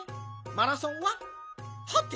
マラソンは？はて？